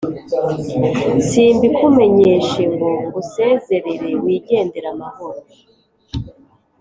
simbikumenyeshe ngo ngusezerere wigendere amahoro